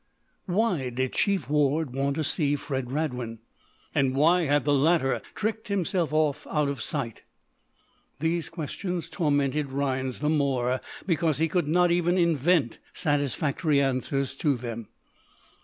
Why did Chief Ward want to see Fred Radwin? And why had the latter tricked himself off out of sight? These questions tormented Rhinds the more because he could not even invent satisfactory answers to them.